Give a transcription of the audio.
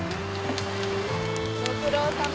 ご苦労さま。